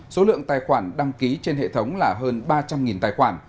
số lượng tài khoản đăng ký trên hệ thống là hơn ba trăm linh tài khoản